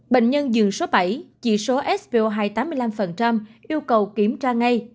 bệnh nhân dường số bảy chỉ số svo hai tám mươi năm yêu cầu kiểm tra ngay